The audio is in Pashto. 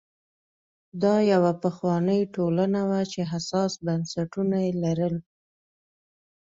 دا یوه پخوانۍ ټولنه وه چې حساس بنسټونه یې لرل